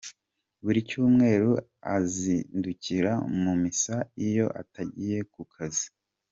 Buri cyumweru azindukira mu misa, iyo atagiye ku kazi.